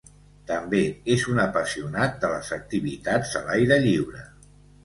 També és un apassionat de les activitats a l"aire lliure.